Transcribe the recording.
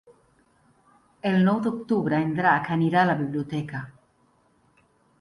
El nou d'octubre en Drac anirà a la biblioteca.